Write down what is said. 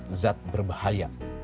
mengandung zat zat berbahaya